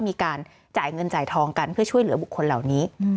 มีการจ่ายเงินจ่ายทองกันเพื่อช่วยเหลือบุคคลเหล่านี้